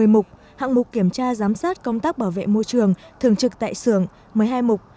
một mươi mục hạng mục kiểm tra giám sát công tác bảo vệ môi trường thường trực tại xưởng một mươi hai mục